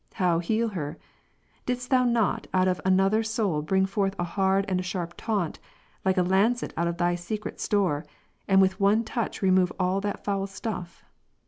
how heal her ? didst Thou not out of another soul bring forth a hard and a sharp taunt, like a lancet out of Thy secret store, and with one touch remove all that foul stuff?